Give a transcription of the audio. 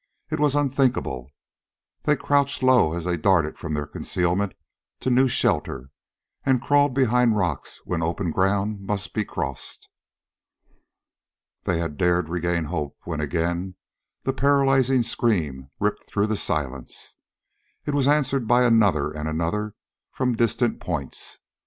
It was unthinkable. They crouched low as they darted from their concealment to new shelter, and crawled behind rocks when open ground must be crossed. They had dared regain hope when again the paralyzing scream ripped through the silence. It was answered by another and another from distant points.